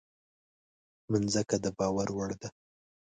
مځکه د باور وړ ده.